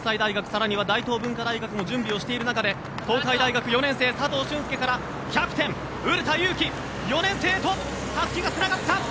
更には大東文化大学も準備している中で東海大学、４年生の佐藤俊輔からキャプテン宇留田竜希、４年生へとたすきがつながった。